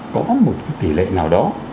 có một tỷ lệ nào đó